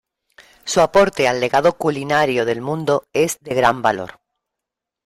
Su aporte al legado culinario del mundo es de gran valor.